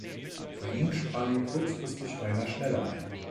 Für ihn sprang kurzfristig Rainer Schnelle ein.